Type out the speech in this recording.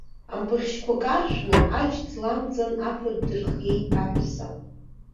Ампахьшьқәа каршәны, аџь-ҵла амҵан афатә дырхиеит аҳәса.